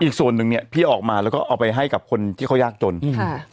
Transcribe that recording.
อีกส่วนหนึ่งเนี้ยพี่ออกมาแล้วก็เอาไปให้กับคนที่เขายากจนค่ะ